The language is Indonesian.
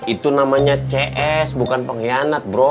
itu namanya cs bukan pengkhianat bro